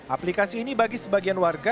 aplikasi ini bagi sebagian warga